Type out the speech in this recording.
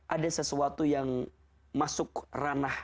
ada sesuatu yang masuk ranah